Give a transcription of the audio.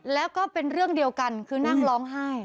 แล้วก็เป็นเรื่องเดียวกันคือนั่งร้องไห้